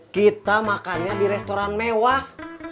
kita makannya di restoran mewah